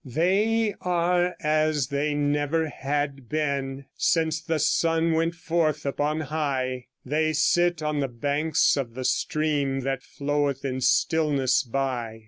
They are as they never had been Since the sun went forth upon high; They sit on the banks of the stream That floweth in stillness by.